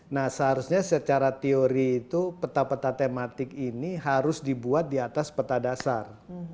nah seharusnya secara teori itu peta peta tematik ini harus dibuat di atas peta dasar